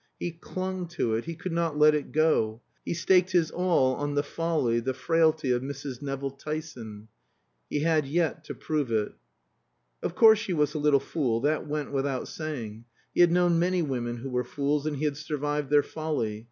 He clung to it, he could not let it go. He staked his all on the folly, the frailty of Mrs. Nevill Tyson. He had yet to prove it. Of course she was a little fool; that went without saying. He had known many women who were fools, and he had survived their folly.